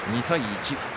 ２対１。